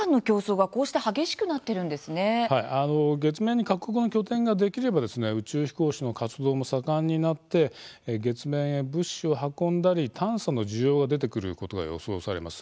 はい、月面に各国の拠点ができれば宇宙飛行士の活動も盛んになって月面へ物資を運んだり探査の需要が出てくることが予想されます。